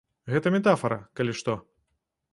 Гэта метафара, калі што.